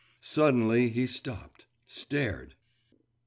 Suddenly he stopped, stared.